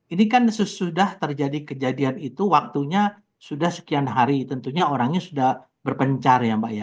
ini kan sesudah terjadi kejadian itu waktunya sudah sekian hari tentunya orangnya sudah berpencar ya mbak ya